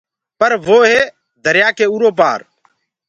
پر وآ هي دريآ ڪي اُرو پآر۔